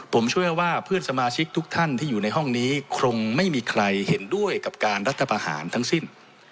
ผมเชื่อว่าเพื่อนสมาชิกทุกท่านที่อยู่ในห้องนี้คงไม่มีใครเห็นด้วยกับการรัฐประหารทั้งสิ้น